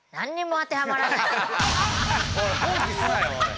おい放棄すなよおい。